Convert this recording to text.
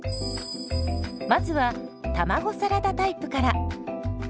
まずは卵サラダタイプから。